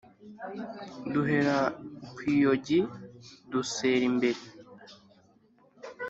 Duhera kw'iyogiDusera imbere